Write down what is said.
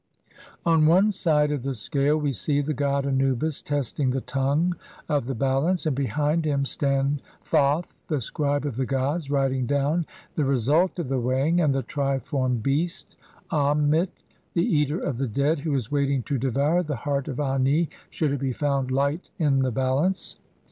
On one side of the scale we see the god Anubis testing the tongue of the balance, and behind him stand Thoth, the scribe of the gods, writing down the result of the weighing, and the tri formed 2 beast Am mit, the "Eater of the Dead", who is waiting to devour the heart of Ani should it be found light in the balance.